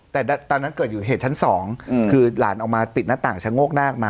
แต่ตอนนั้นเกิดอยู่เหตุชั้นสองคือหลานออกมาปิดหน้าต่างชะโงกนาคมา